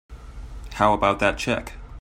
How about that check?